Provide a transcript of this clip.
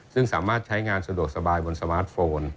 ซึ่งสามารถใช้งานสะดวกสบายบนสมาร์ทโฟน